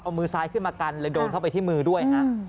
เอามือซ้ายขึ้นมากันเลยโดนเข้าไปที่มือด้วยฮะ